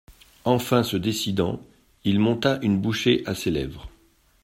Enfin se décidant, il monta une bouchée à ses lèvres.